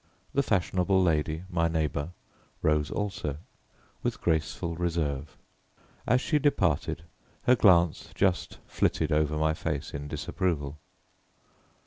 The fashionable lady, my neighbour, rose also, with graceful reserve. As she departed her glance just flitted over my face in disapproval.